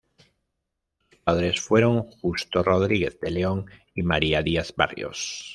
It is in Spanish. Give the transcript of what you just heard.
Sus padres fueron Justo Rodríguez de León y María Díaz Barrios.